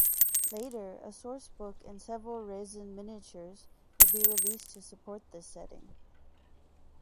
Later, a sourcebook and several resin miniatures would be released to support this setting.